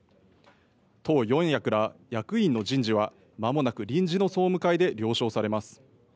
党４役ら役員の人事はまもなく臨時の総務会で了承されます。